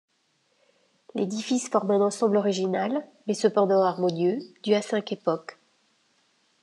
L'édifice forme un ensemble original, mais cependant harmonieux, dû à cinq époques.